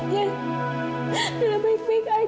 jangan mama jangan